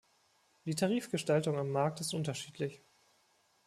Die Tarifgestaltung am Markt ist unterschiedlich.